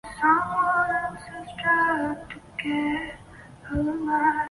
樱田元亲是安土桃山时代至江户时代初期的武将。